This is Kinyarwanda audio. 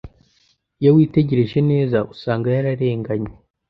iyo witegereje neza usanga yararenganye